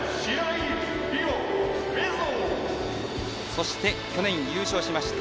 そして去年優勝しました。